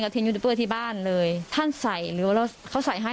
กับทีนยูทูปเปอร์ที่บ้านเลยท่านใส่หรือว่าเราเขาใส่ให้